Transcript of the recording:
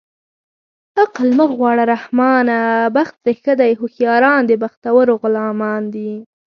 عقل مه غواړه رحمانه بخت ترې ښه دی هوښیاران د بختورو غلامان دي